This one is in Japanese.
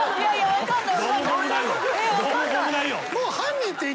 分かんない。